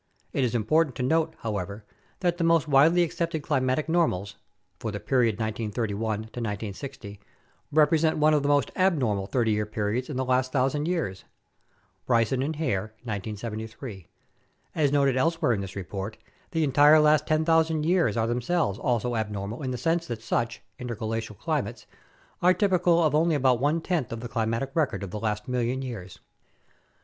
It is important to note, however, that the most widely accepted climatic "normals" (for the period 1931 1960) represent one of the most ab normal 30 year periods in the last thousand years (Bryson and Hare, 1973). As noted elsewhere in this report, the entire last 10,000 years are themselves also abnormal in the sense that such (interglacial) climates are typical of only about one tenth of the climatic record of the last million years.